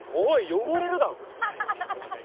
汚れるだろ！